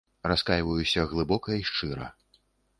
Раскайваюся глыбока і шчыра.